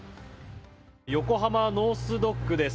横浜ノース・ドックです。